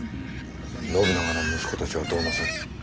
信長の息子たちはどうなさる？